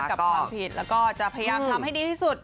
กับความผิดแล้วก็จะพยายามทำให้ดีที่สุด